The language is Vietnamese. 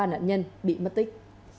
ba nạn nhân bị mất tích